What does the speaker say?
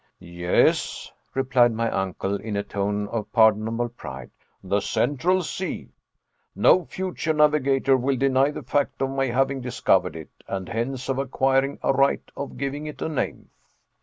"Yes," replied my uncle, in a tone of pardonable pride; "the Central Sea. No future navigator will deny the fact of my having discovered it; and hence of acquiring a right of giving it a name."